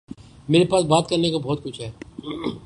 میرے پاس بات کرنے کو بہت کچھ ہے